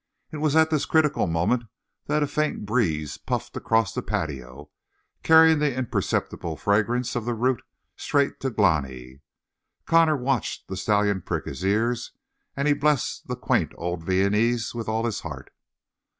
It was at this critical moment that a faint breeze puffed across the patio, carrying the imperceptible fragrance of the root straight to Glani. Connor watched the stallion prick his ears, and he blessed the quaint old Viennese with all his heart.